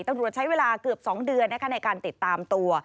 ตำรวจใช้เวลาเกือบ๒เดือนนะคะในการติดตามตัว